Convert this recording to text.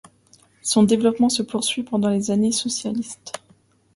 Son développement se poursuit pendant les années socialistes.